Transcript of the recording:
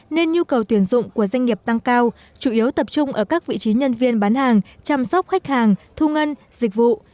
nên nhu cầu tuyển dụng của doanh nghiệp tăng cao chủ yếu tập trung ở các vị trí nhân viên bán hàng chăm sóc khách hàng thu ngân dịch vụ